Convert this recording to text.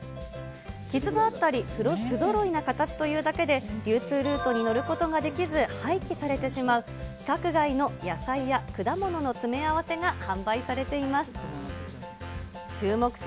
傷があったり、不ぞろいな形というだけで、流通ルートに乗ることができず廃棄されてしまう、規格外の野菜や果物の詰め合わせが販売されています。